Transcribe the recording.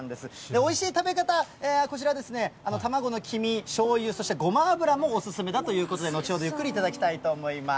おいしい食べ方、こちらですね、卵の黄身、しょうゆ、そしてごま油もお勧めだということで、後ほどゆっくり頂きたいと思います。